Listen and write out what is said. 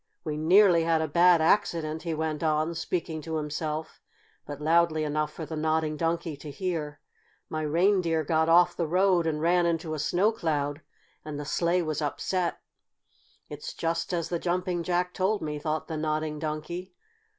We nearly had a bad accident," he went on, speaking to himself, but loudly enough for the Nodding Donkey to hear. "My reindeer got off the road and ran into a snow cloud and the sleigh was upset." "It's just as the Jumping Jack told me," thought the Nodding Donkey.